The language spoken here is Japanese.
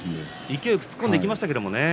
勢いよく突っ込んでいきましたけどね。